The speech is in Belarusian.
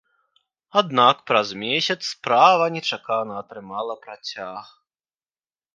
Аднак праз месяц справа нечакана атрымала працяг.